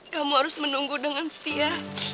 kamu harus menunggu dengan setia